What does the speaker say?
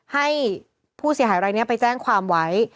ให้ผู้เสียหายรายนี้ไปแจ้งความไว้